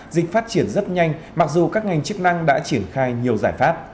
dịch phát triển rất nhanh mặc dù các ngành chức năng đã triển khai nhiều giải pháp